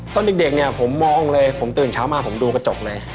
ตอนเด็กเนี่ยผมมองเลยผมตื่นเช้ามาผมดูกระจกเลย